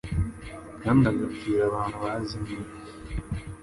kandi agapfira abantu bazimiye.